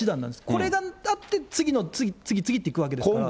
これがあって、次の、次、次っていくわけですから。